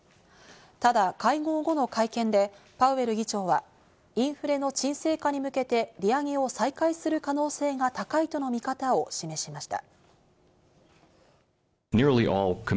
ただ、会合後の会見でパウエル議長はインフレの沈静化に向けて利上げを再開する可能性が高いとの見方を示しました。